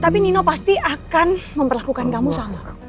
tapi nino pasti akan memperlakukan kamu sama